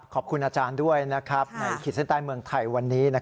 ขอบคุณอาจารย์ด้วยในขีดเส้นใต้เมืองไทยวันนี้